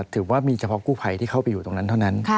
ถือว่ามีเฉพาะกู้ภัยที่เข้าไปอยู่ตรงนั้นเท่านั้น